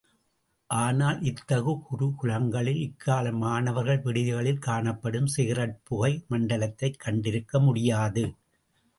ஆனால், இத்தகு குரு குலங்களில், இக்கால மாணவர் விடுதிகளில் காணப்படும் சிகரெட் புகை மண்டலத்தைக் கண்டிருக்கமுடியாது.